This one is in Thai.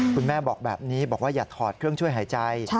คุณแม่บอกแบบนี้บอกว่าอย่าถอดเครื่องช่วยหายใจ